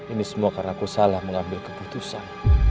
ini semua karena aku salah mengambil keputusan